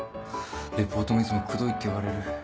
レポートもいつもくどいって言われる。